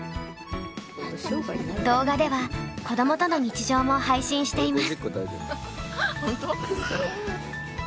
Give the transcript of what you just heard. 動画では子どもとの日常も配信しています。